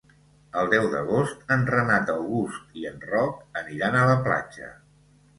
El deu d'agost en Renat August i en Roc aniran a la platja.